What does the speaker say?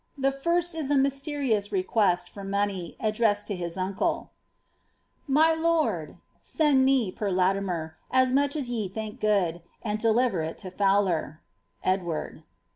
The first is a mysierious rerjuest for money, addressed to his uncle :—>* .My lord, — Send me, per Latimer, as much as ye think good, and deliver it to Fowler. Edwabb."